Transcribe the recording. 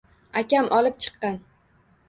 Akam olib chiqqan!